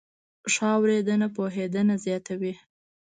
ښه اورېدنه پوهېدنه زیاتوي.